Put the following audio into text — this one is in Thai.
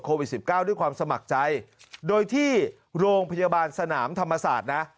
โควิด๑๙ด้วยความสมัครใจโดยที่โรงพยาบาลสนามธรรมศาสตร์นะ